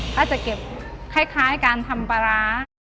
ถ้าจะเก็บคล้ายการทำปลาร้า